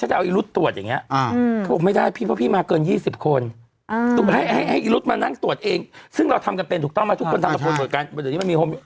ให้รุ๊ตมานั่งตรวจเองซึ่งเราทำได้เป็นถูกต้องไหมทุกคนทำละพลตัวการ